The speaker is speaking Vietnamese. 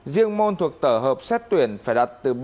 riêng môn thuộc tờ hợp xét tuyển phải đạt từ bảy